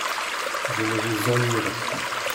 Je ne vous ennuierai plus.